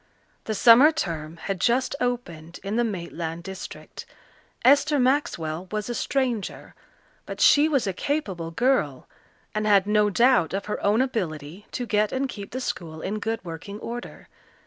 The summer term had just opened in the Maitland district. Esther Maxwell was a stranger, but she was a capable girl, and had no doubt of her own ability to get and keep the school in good working order.